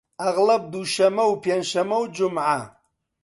ئەغڵەب دووشەممە و پێنج شەممە و جومعە